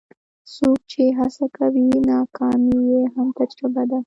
څوک چې هڅه کوي، ناکامي یې هم تجربه ده.